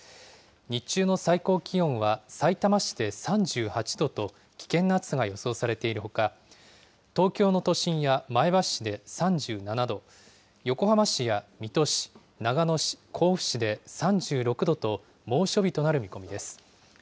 日中の最高気温はさいたま市で３８度と、危険な暑さが予想されているほか、東京の都心や前橋市で３７度、横浜市や水戸市、長野市、甲府市で３６度と、猛暑日となる見込みです。